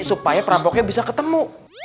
supaya perampoknya bisa ketemu